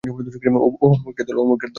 ওহ, মূর্খের দল!